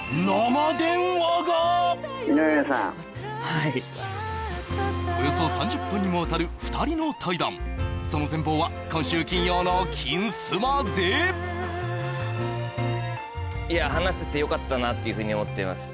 はい何とおよそ３０分にもわたる２人の対談その全貌は今週金曜の金スマでいや話せてよかったなっていうふうに思っています